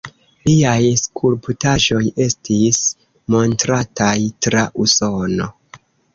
Liaj skulptaĵoj estis montrataj tra Usono.